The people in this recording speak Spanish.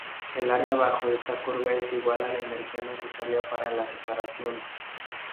El área bajo esta curva es igual a la energía necesaria para la separación.